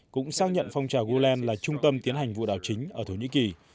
cũng xác nhận phong trào huland là trung tâm tiến hành vụ đảo chính ở thổ nhĩ kỳ